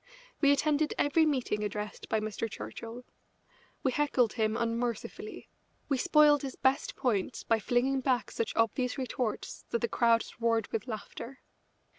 We attended every meeting addressed by Mr. Churchill. We heckled him unmercifully; we spoiled his best points by flinging back such obvious retorts that the crowds roared with laughter.